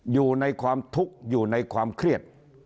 อยู่ในความทุกข์อยู่ในความเครียด